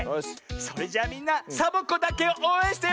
それじゃみんなサボ子だけをおうえんしてよ！